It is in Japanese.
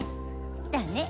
だね！